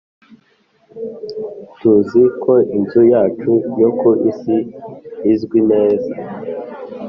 Tuzi ko inzu yacu yo ku isi izwi neza